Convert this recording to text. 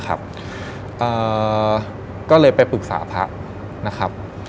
ก็เลยไปปรึกษาพระนะครับ